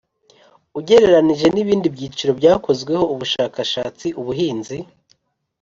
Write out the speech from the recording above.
Ugereranije n ibindi byiciro byakozweho ubushakashatsi ubuhinzi